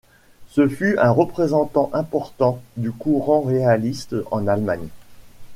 Ce fut un représentant important du courant réaliste en Allemagne.